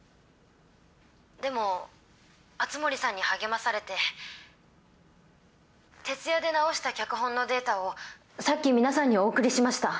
でも熱護さんに励まされて徹夜で直した脚本のデータをさっき皆さんにお送りしました。